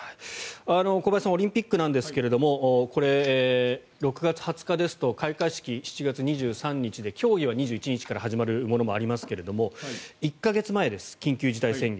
小林さんオリンピックですが６月２０日ですと開会式、７月２３日で競技は２１日から始まるものもありますが１か月前です、緊急事態宣言。